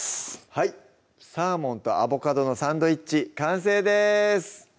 はい「サーモンとアボカドのサンドイッチ」完成です